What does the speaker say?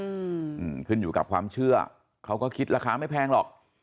อืมขึ้นอยู่กับความเชื่อเขาก็คิดราคาไม่แพงหรอก